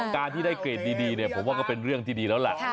การที่ได้เกรดดีเนี่ยผมว่าก็เป็นเรื่องที่ดีแล้วแหละ